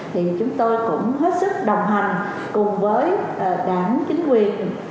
thì chúng tôi cũng hết sức đồng hành cùng với đảng chính quyền